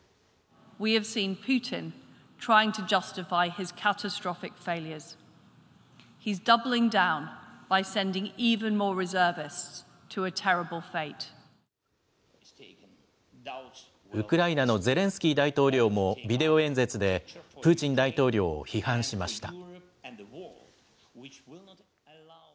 ウクライナのゼレンスキー大統領もビデオ演説で、プーチン大統領を批判しました。